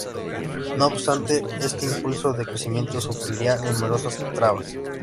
No obstante, este impulso de crecimiento sufriría numerosas trabas.